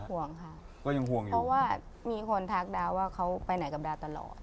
ห่วงค่ะก็ยังห่วงอยู่เพราะว่ามีคนทักดาวว่าเขาไปไหนกับดาวตลอด